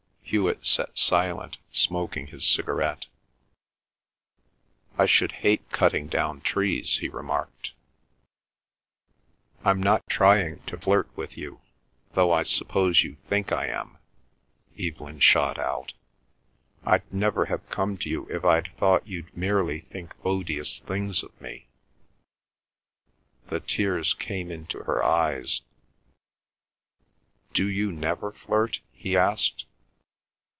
Hewet sat silent, smoking his cigarette. "I should hate cutting down trees," he remarked. "I'm not trying to flirt with you, though I suppose you think I am!" Evelyn shot out. "I'd never have come to you if I'd thought you'd merely think odious things of me!" The tears came into her eyes. "Do you never flirt?" he asked.